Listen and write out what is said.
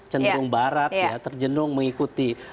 cenderung barat ya terjenung mengikuti